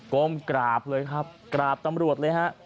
ก้มกราบเลยครับกราบตำรวจเลยฮะ